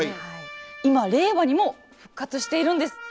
今令和にも復活しているんです。